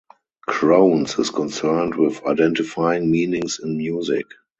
Krones is concerned with identifying meanings in music.